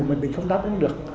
mà mình không đáp ứng được